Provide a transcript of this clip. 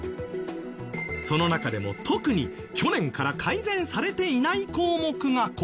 その中でも特に去年から改善されていない項目がこちら。